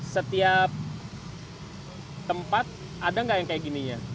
setiap tempat ada enggak yang kayak gininya